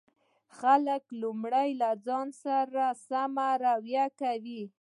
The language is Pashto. خلک لومړی له ما سره سمه رويه کوي